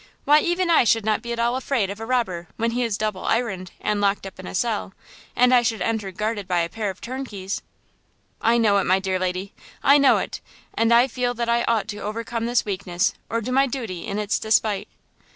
Why, even I should not be at all afraid of a robber when he is double ironed and locked up in a cell, and I should enter guarded by a pair of turnkeys!" "I know it, my dear lady, I know it, and I feel that I ought to overcome this weakness or do my duty in its despite."